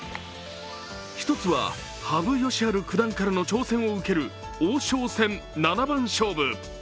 １つは羽生善治九段からの挑戦を受ける王将戦七番勝負。